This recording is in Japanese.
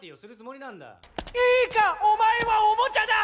いいかお前はおもちゃだ。